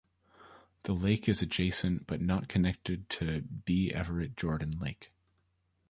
The lake is adjacent but not connected to B. Everett Jordan Lake.